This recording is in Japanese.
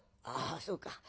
「あそうか。